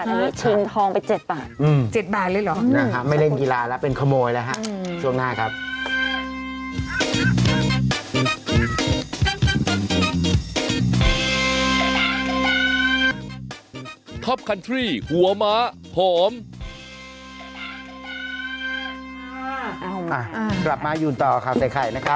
ตอนนี้เหรอร้อยอัพประมาณร้อยอัพค่ะอยู่โอเคได้ค่ะ